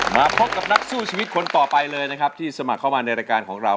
มาพบกับนักสู้ชีวิตคนต่อไปเลยนะครับที่สมัครเข้ามาในรายการของเรา